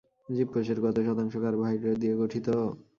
জীবকোষের কত শতাংশ কার্বোহাইড্রেট দিয়ে গঠিত?